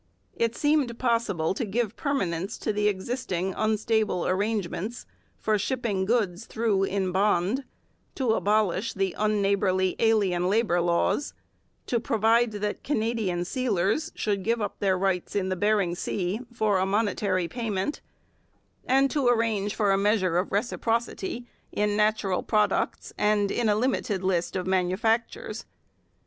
It seemed possible to give permanence to the existing unstable arrangements for shipping goods through in bond, to abolish the unneighbourly alien labour laws, to provide that Canadian sealers should give up their rights in Bering Sea for a money payment, and to arrange for a measure of reciprocity in natural products and in a limited list of manufactures.